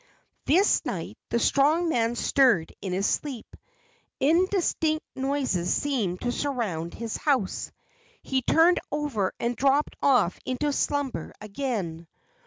This night the strong man stirred in his sleep. Indistinct noises seemed to surround his house. He turned over and dropped off into slumber again.